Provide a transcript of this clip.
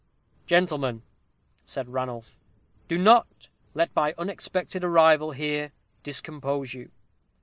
"Gentlemen," said Ranulph, "do not let my unexpected arrival here discompose you.